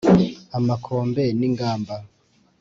amakombe n’ingamba